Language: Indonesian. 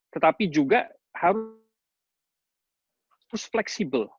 tetapi juga harus fleksibel